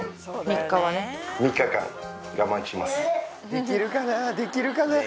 できるかなできるかな？